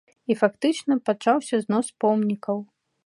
І фактычна пачаўся знос помнікаў.